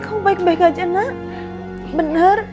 came baik baikan horrible